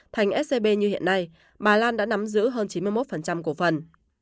thành scb như hiện nay bà lan đã nắm giữ hơn chín mươi một cổ phần